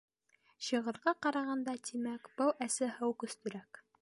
Шиғырға ҡарағанда, тимәк, был әсе һыу көслөрәк.